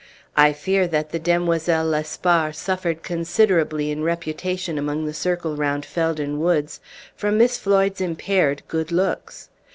I fear that the Demoiselles Lespard suffered considerably in reputation among the circle round Felden Woods from Miss Floyd's impaired good looks.